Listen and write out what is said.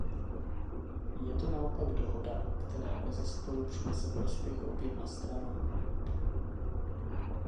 Je to naopak dohoda, která bezesporu přinese prospěch oběma stranám.